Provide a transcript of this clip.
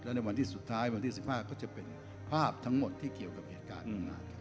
ในวันที่สุดท้ายวันที่๑๕ก็จะเป็นภาพทั้งหมดที่เกี่ยวกับเหตุการณ์